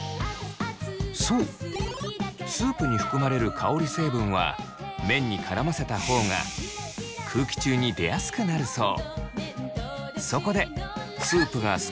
そうスープに含まれる香り成分は麺に絡ませた方が空気中に出やすくなるそう。